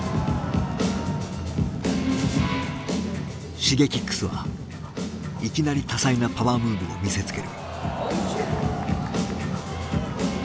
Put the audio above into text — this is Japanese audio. Ｓｈｉｇｅｋｉｘはいきなり多彩なパワームーブを見せつける。